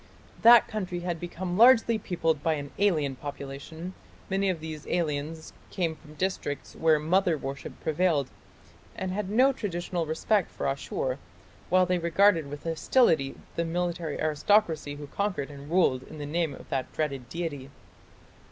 That country had become largely peopled by an alien population; many of these aliens came from districts where "mother worship" prevailed, and had no traditional respect for Ashur, while they regarded with hostility the military aristocracy who conquered and ruled in the name of that dreaded deity.